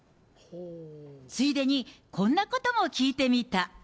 ついでにこんなことも聞いてみた。